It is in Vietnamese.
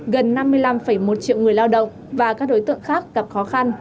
gần năm mươi năm một triệu người lao động và các đối tượng khác gặp khó khăn